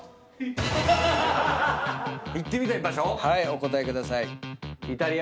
お答えください。